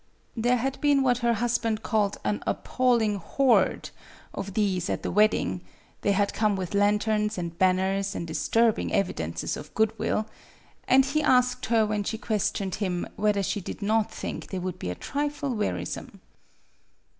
There had been what her husband called an appalling horde of these at the wedding (they had come with lanterns and banners and disturbing evidences of good will), and he asked her, when she questioned him, whether she did not think they would be a trifle wearisome.